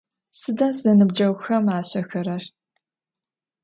Sıda zenıbceğuxem aş'exerer?